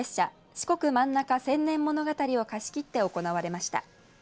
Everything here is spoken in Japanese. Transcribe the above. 四国まんなか千年ものがたりを貸し切って行われました。